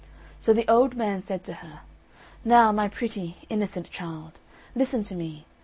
So the old man said to her, "Now, my pretty, innocent child, listen to me.